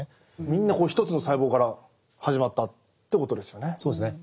みんな１つの細胞から始まったということですよね。